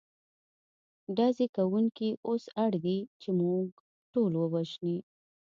ډزې کوونکي اوس اړ دي، چې موږ ټول ووژني.